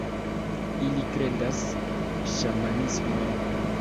Ili kredas ŝamanismon.